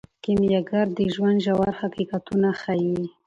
کیمیاګر د ژوند ژور حقیقتونه ښیي.